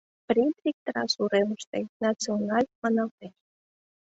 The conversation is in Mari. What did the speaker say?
Придрик-трас уремыште, «Националь» маналтеш.